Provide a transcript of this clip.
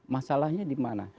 masalahnya di mana